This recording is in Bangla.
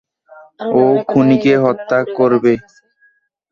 ও খুনিকে হত্যা করবে।